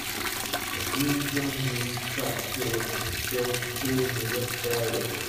a green John Deere tractor in a field pulling a red trailer.